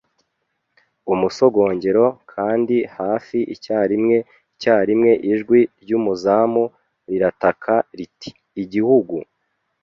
umusogongero; kandi hafi icyarimwe icyarimwe ijwi ryumuzamu rirataka riti: "Igihugu